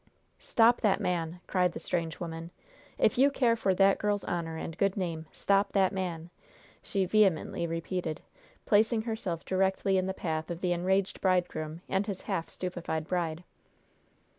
"Stop that man!" cried the strange woman. "If you care for that girl's honor and good name, stop that man!" she vehemently repeated, placing herself directly in the path of the enraged bridegroom and his half stupefied bride.